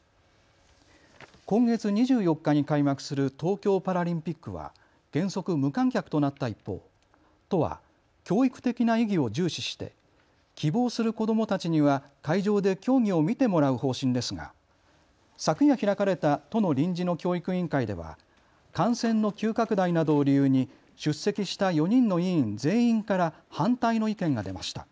今月２４日に開幕する東京パラリンピックは原則、無観客となった一方、都は教育的な意義を重視して希望する子どもたちには会場で競技を見てもらう方針ですが昨夜開かれた都の臨時の教育委員会では感染の急拡大などを理由に出席した４人の委員全員から反対の意見が出ました。